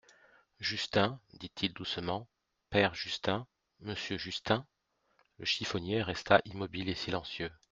Justin, dit-il doucement, père Justin … monsieur Justin ! Le chiffonnier resta immobile et silencieux.